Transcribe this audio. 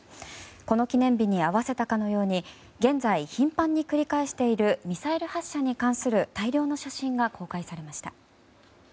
この記念日に合わせたかのように現在、頻繁に繰り返しているミサイル発射に関する大量の写真が公開されました。